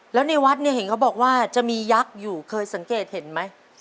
แล้วในวัดเนี่ยเห็นเขาบอกว่าจะมียักษ์อยู่เคยสังเกตเห็นไหม